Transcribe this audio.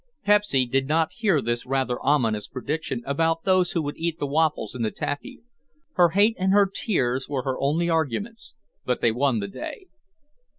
Pepsy did not hear this rather ominous prediction about those who would eat the waffles and the taffy. Her hate and her tears were her only arguments, but they won the day.